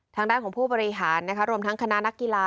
ทางด้านของผู้บริหารรวมทั้งคณะนักกีฬา